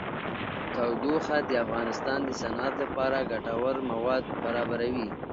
تودوخه د افغانستان د صنعت لپاره ګټور مواد برابروي.